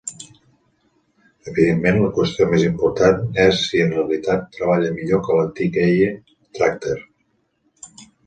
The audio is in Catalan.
Evidentment, la qüestió més important és si en realitat treballa millor que l'antic "eye tracker".